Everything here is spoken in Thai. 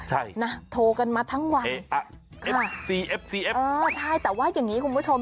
ใช่เอ๊ะเอ๊ะโทรกันมาทั้งวันค่ะใช่แต่ว่าอย่างนี้คุณผู้ชม